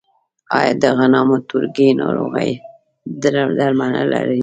آیا د غنمو تورکي ناروغي درملنه لري؟